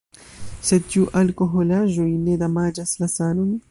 Sed ĉu alkoholaĵoj ne damaĝas la sanon?